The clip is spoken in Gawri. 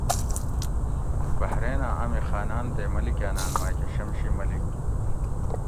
بحریناۤں امی خاۤناۤن تے ملیکاۤناۤن ماۤکہ شمشی ملیک